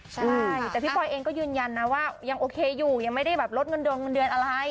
ใช่แต่พี่ปอยเองก็ยืนยันนะว่ายังโอเคอยู่ยังไม่ได้แบบลดเงินดงเงินเดือนอะไร